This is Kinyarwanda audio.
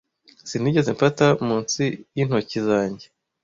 sinigeze mfata munsi y'intoki zanjye